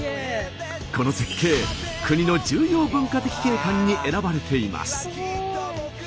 この絶景国の重要文化的景観に選ばれています。